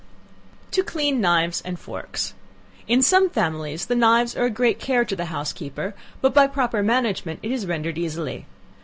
To Clean Knives and Forks. In some families the knives are a great care to the housekeeper, but by proper management it is rendered easy.